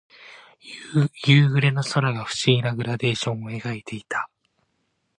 夕暮れの空が不思議なグラデーションを描いていた。